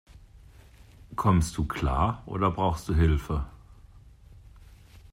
Kommst du klar, oder brauchst du Hilfe?